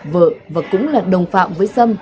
vợ và cũng là đồng phạm với xâm